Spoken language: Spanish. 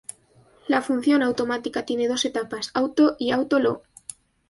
La función automática tiene dos etapas, "Auto" y "Auto Lo".